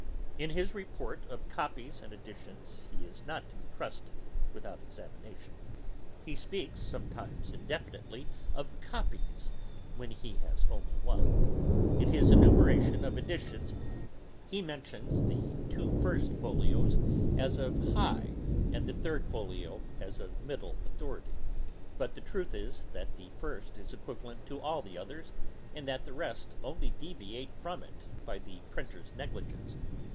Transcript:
In his report of copies and editions he is not to be trusted, without examination. He speaks sometimes indefinitely of copies, when he has only one. In his enumeration of editions, he mentions the two first folios as of high, and the third folio as of middle authority; but the truth is, that the first is equivalent to all others, and that the rest only deviate from it by the printer's negligence.